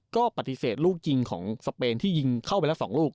ก็ปฏิเสธลูกยิงของสเปนที่ยิงเข้าไปแล้ว๒ลูก